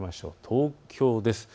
東京です。